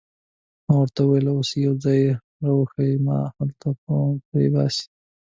ما ورته وویل: اوس یو ځای را وښیه چې ما هلته پرېباسي.